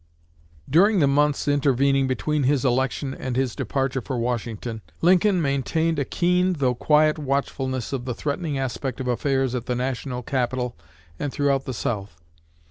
During the months intervening between his election and his departure for Washington, Lincoln maintained a keen though quiet watchfulness of the threatening aspect of affairs at the national capital and throughout the South.